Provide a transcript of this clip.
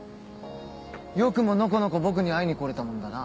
よくものこのこ僕に会いに来れたもんだな。